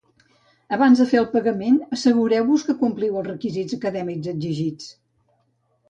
Abans de fer el pagament, assegureu-vos que compliu els requisits acadèmics exigits.